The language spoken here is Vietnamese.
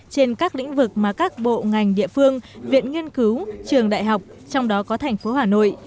trên các lĩnh vực mà các bộ ngành địa phương viện nghiên cứu trường đại học trong đó có thành phố hà nội